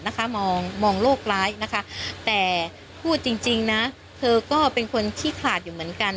ตาคว่ามนะคะมองโลกร้ายนะคะแต่พูดจริงนะเธอก็เป็นคนขี้ขลาดอยู่เหมือนกัน